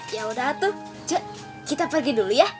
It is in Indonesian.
ya udah tuh kita pergi dulu ya